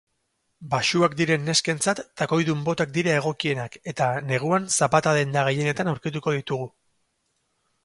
Baxuak diren neskentzat takoidun botak dira egokienak eta neguan zapata-denda gehienetan aurkituko ditugu.